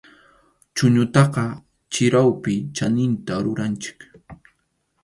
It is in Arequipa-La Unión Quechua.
Chʼuñutaqa chirawpi chaninta ruranchik.